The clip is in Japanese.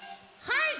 はい！